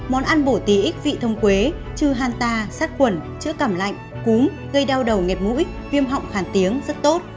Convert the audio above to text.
món ăn bổ tí ít vị thông quế chư hàn ta sát quẩn chữa cảm lạnh cúm gây đau đầu nghẹt mũi viêm họng khản tiếng rất tốt